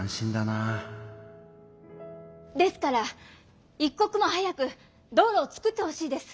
ですからいっこくも早く道路をつくってほしいです！